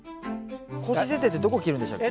更新剪定ってどこ切るんでしたっけ？